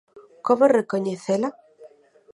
Como recoñecela?